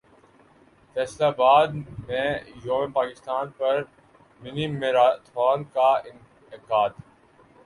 فیصل ابادمیںیوم پاکستان پر mini marathon کا انعقاد